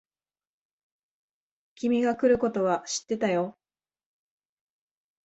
君が来ることは知ってたよ。